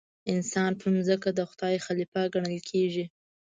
انسان پر ځمکه د خدای خلیفه ګڼل کېږي.